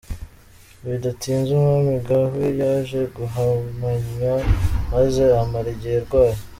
Bidatinze umwami Gwang-hae yaje guhumanywa maze amara igihe arwaye.